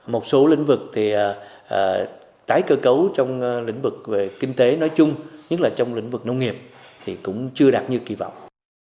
một số lĩnh vực thì tái cơ cấu trong lĩnh vực về kinh tế nói chung nhất là trong lĩnh vực nông nghiệp thì cũng chưa đạt như kỳ vọng